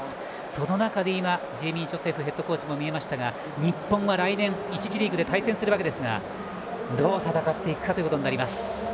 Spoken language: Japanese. その中でジェイミー・ジョセフヘッドコーチも見えましたが日本は来年、１次リーグで対戦するわけですがどう戦っていくかということになります。